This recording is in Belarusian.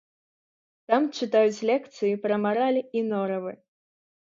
Там чытаюць лекцыі пра мараль і норавы.